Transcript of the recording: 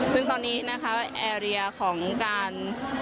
ซึ่งตอนนี้นะคะแอร์เรียของการ